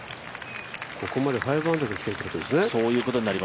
ここまで５アンダーできているということですね。